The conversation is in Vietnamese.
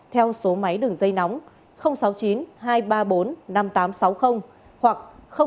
theo số máy đường dây nóng sáu mươi chín hai trăm ba mươi bốn năm nghìn tám trăm sáu mươi hoặc sáu mươi chín hai trăm ba mươi hai một nghìn sáu trăm